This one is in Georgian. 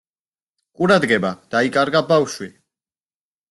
ყურადღება, დაიკარგა ბავშვი!